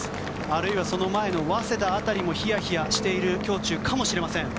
あるいはその前の早稲田辺りもヒヤヒヤしている胸中かもしれません。